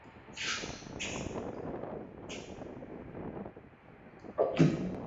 在小堂的地下室内有惩罚及酷刑用的刑具展览。